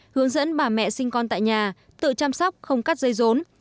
hướng dẫn bà mẹ sinh con tại nhà tự chăm sóc không cắt dây rốn